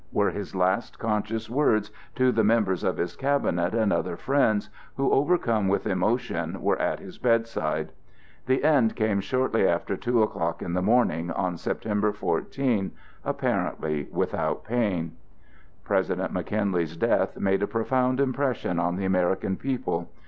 were his last conscious words to the members of his cabinet and other friends who, overcome with emotion, were at his bedside. The end came shortly after two o'clock in the morning, on September 14, apparently without pain. President McKinley's death made a profound impression on the American people.